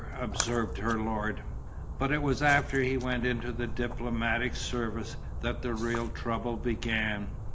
observed her lord. But it was after he went into the diplomatic service that the real trouble began.